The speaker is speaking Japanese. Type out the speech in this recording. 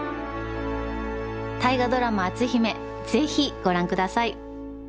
大河ドラマ「篤姫」是非ご覧ください！